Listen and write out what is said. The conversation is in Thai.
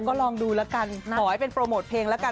ก็ลองดูละกันปล่อยเป็นโปรโมทเพลงละกัน